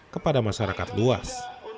kepada masyarakat luas